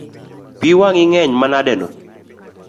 Pi wang’i ngeny manadeno?